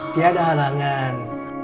tidak ada halangan